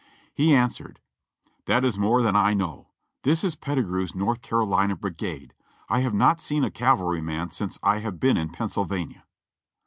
He answered : "That is more than I know. This is Pettigrew's North Carolina Brigade. I have not seen a cavalryman since I have been in Pennsylvania."